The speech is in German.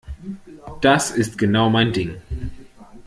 Das ist genau mein Ding.